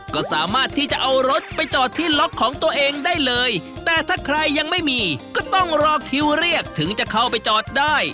ก็สามารถที่จะเอารถไปจอดที่ล็อกของตัวเองได้เลยแต่ถ้าใครยังไม่มีก็ต้องรอคิวเรียกถึงจะเข้าไปจอดได้